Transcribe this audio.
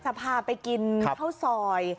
จะพาไปกินข้าวซอย